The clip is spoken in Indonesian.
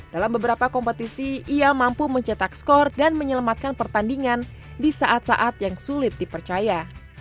dalam beberapa kompetisi ia mampu mencetak skor dan menyelamatkan pertandingan di saat saat yang sulit dipercaya